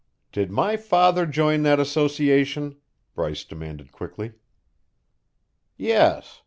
"Did my father join that association?" Bryce demanded quickly. "Yes.